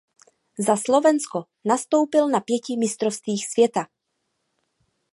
Za Slovensko nastoupil na pěti mistrovstvích světa.